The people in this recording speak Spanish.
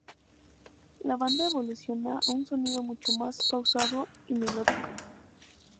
La banda evoluciona a un sonido mucho más pausado y melódico.